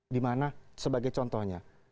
di mana sebagai contohnya